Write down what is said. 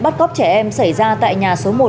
bắt cóc trẻ em xảy ra tại nhà số một